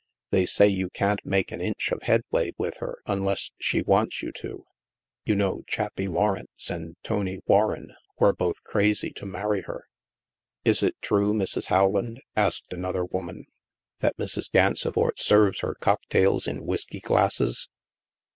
They say you can't make an inch of headway with her unless she wants you to. You know. Chappie Lawrence and Tony War ren were both crazy to marry her." *' Is it true, Mrs. Rowland," asked another woman, " that Mrs. Gansevoort serves her cocktails in whisky glasses